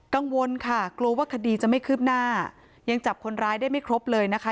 กังวลค่ะกลัวว่าคดีจะไม่คืบหน้ายังจับคนร้ายได้ไม่ครบเลยนะคะ